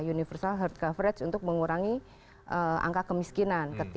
universal health coverage untuk mengurangi angka kemiskinan